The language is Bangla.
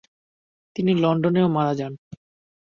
তিনি লন্ডনের মারা যান।